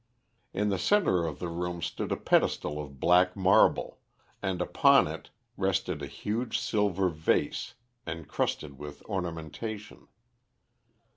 In the centre of the room stood a pedestal of black marble, and upon it rested a huge silver vase encrusted with ornamentation.